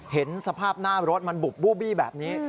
เห็นสภาพหน้ารถมันบุบบูบี้แบบนี้